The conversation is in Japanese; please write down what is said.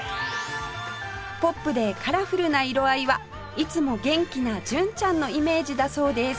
ポップでカラフルな色合いはいつも元気な純ちゃんのイメージだそうです